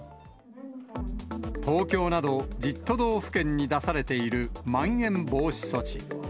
東京など１０都道府県に出されているまん延防止措置。